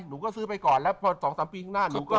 หนูก็ซื้อไปก่อนแล้ว๒๓ปีหนึ่งหน้า